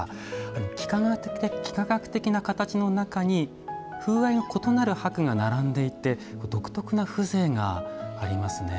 幾何学的な形の中に風合いの異なる箔が並んでいて独特な風情がありますね。